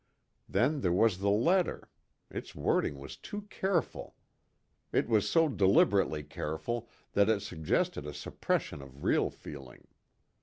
Then there was the letter; its wording was too careful. It was so deliberately careful that it suggested a suppression of real feeling.